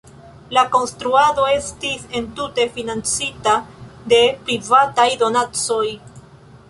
La konstruado estis entute financita de privataj donacoj.